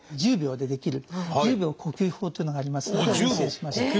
１０秒でできる「１０秒呼吸法」というのがありますのでお教えします。